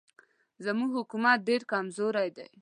زموږ حکومت ډېر کمزوری دی.